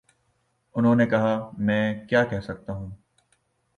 انہوں نے کہا: میں کیا کہہ سکتا ہوں۔